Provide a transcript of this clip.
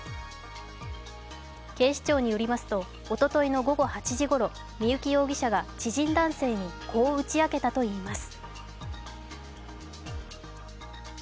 警視庁によりますと、おとといの午後８時ごろ、三幸容疑者が知人男性にこう打ち明けたといいます。